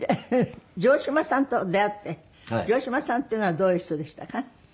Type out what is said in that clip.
城島さんと出会って城島さんっていうのはどういう人でしたか？